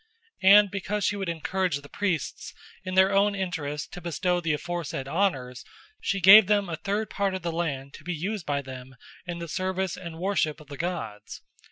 And because she would encourage the priests in their own interest to bestow the aforesaid honours, she gave them a third part of the land to be used by them in the service and worship of the gods.